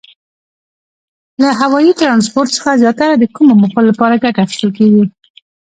له هوایي ترانسپورت څخه زیاتره د کومو موخو لپاره ګټه اخیستل کیږي؟